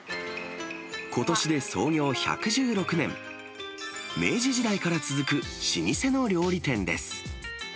ことしで創業１１６年、明治時代から続く老舗の料理店です。